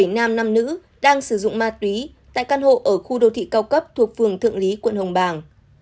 bảy nam năm nữ đang sử dụng mát túy tại căn hộ ở khu đô thị cao cấp thuộc vườn thượng lý quận hùng bang